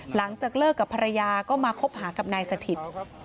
หลังจากเลิกกับภรรยาก็มาคบหากับนายสถิต